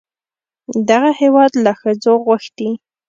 دغه هېواد له ښځو غوښتي